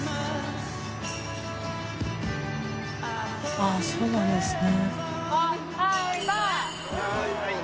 あっそうなんですね。